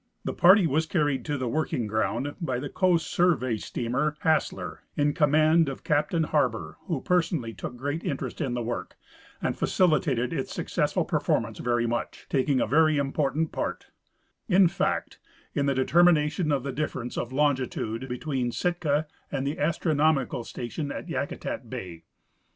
The jjarty was carried to the working ground by the Coast Survey Steamer Hassler, in command of Captain Harber, who personally took great interest in the work and facilitated its successful performance very much, taking a very important part, in fact, in the determination of the difference of longitude between Sitka and the astronomical station at Yakutat bay.